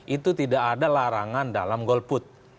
itu tidak ada larangan dalam golput